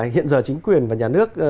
hiện giờ chính quyền và nhà nước